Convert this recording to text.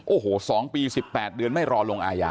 โอ้โหสองปีสิบแปดเดือนไม่รอลงอายา